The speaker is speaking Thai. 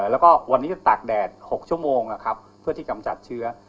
แล้วก็วันนี้ก็ตากแดด๖ชั่วโมงเพื่อที่กำจัดเชื้อ